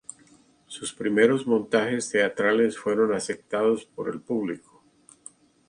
Sus primeros montajes teatrales fueron aceptados por el público.